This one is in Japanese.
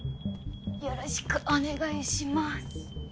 よろしくお願いします。